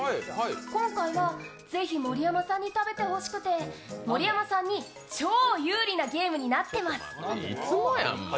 今回はぜひ、盛山さんに食べてほしくて、盛山さんに超有利なゲームになっています。